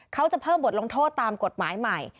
เขาจะเพิ่มบทลงโทษตามกฎหมายใหม่